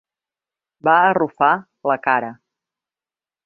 Va arrufar la cara.